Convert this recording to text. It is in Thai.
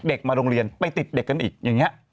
เด็กมาโรงเรียนไปติดเด็กกันอีกอย่างนี้